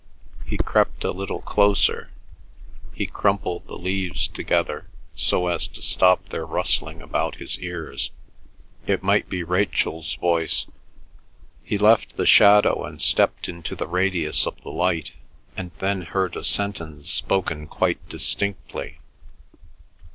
He crept a little closer; he crumpled the leaves together so as to stop their rustling about his ears. It might be Rachel's voice. He left the shadow and stepped into the radius of the light, and then heard a sentence spoken quite distinctly.